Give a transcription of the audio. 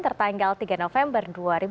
tertanggal tiga november dua ribu enam belas